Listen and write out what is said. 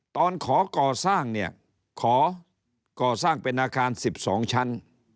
ขอก่อสร้างเนี่ยขอก่อสร้างเป็นอาคาร๑๒ชั้น